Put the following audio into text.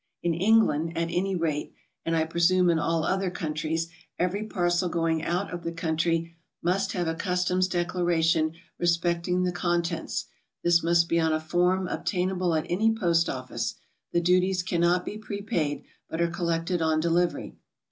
In England, at any rate, and I presume in all other countries, every parcel going out of the country must have a customs declaration respecting the con tents; this must be on a form obtainable at any Post Office; the duties cannot be prepaid, but are collected on delivery.